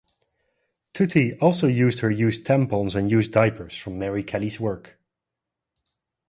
Tutti also used her used tampons and used diapers from Mary Kelly's work.